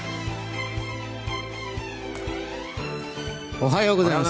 おはようございます。